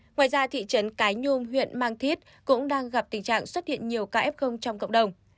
ngoài ra thị trấn cái nhung huyện mang thiết cũng đang gặp tình trạng xuất hiện nhiều kf trong cộng đồng